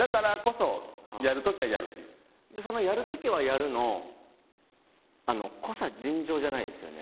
その「やるときはやる」の濃さ尋常じゃないですよね。